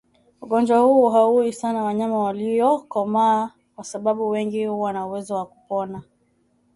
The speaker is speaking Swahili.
Ugonjwa huu hauui sana wanyama waliokomaa kwa sababu wengi huwa na uwezo wa kupona